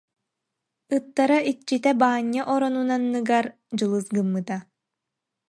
Ыттара иччитэ Баанньа оронун анныгар дьылыс гыммыта